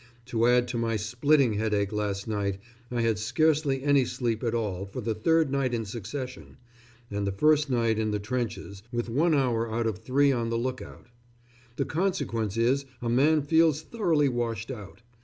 To add to my splitting headache last night, I had scarcely any sleep at all for the third night in succession and the first night in the trenches, with one hour out of three on the look out. The consequence is a man feels thoroughly washed out.